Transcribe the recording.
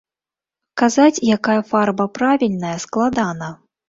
Казаць, якая фарба правільная, складана.